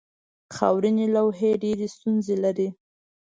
خاورینې لوحې ډېرې ستونزې لري.